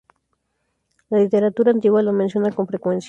La literatura antigua le menciona con frecuencia.